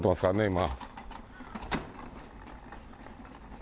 今。